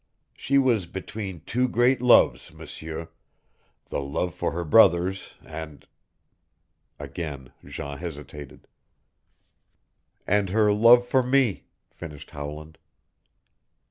She was between two great loves, M'seur the love for her brothers and " Again Jean hesitated. "And her love for me," finished Howland.